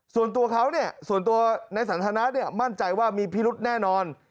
ส่วนตัวเขาเนี่ยส่วนตัวในสันทนามั่นใจว่ามีพิรุธแน่นอน